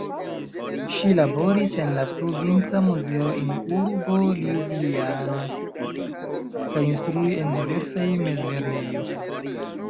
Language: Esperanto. Ŝi laboris en la provinca muzeo in urbo Ljubljano kaj instruis en diversaj mezlernejo.